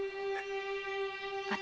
私